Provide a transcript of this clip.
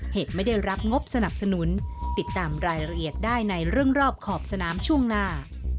เหตุไม่ได้รับงบสนับสนุนติดตามรายละเอียดได้ในเรื่องรอบขอบสนามช่วงหน้า